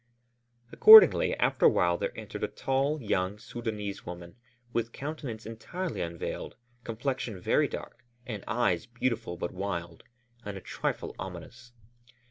Accordingly, after a while there entered a tall, young Sudânese woman with countenance entirely unveiled, complexion very dark, and eyes beautiful but wild, and a trifle ominous.